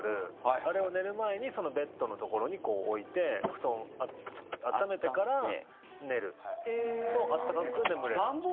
あれを寝る前にベッドのところに置いて布団を温めてから寝ると暖かく眠れる。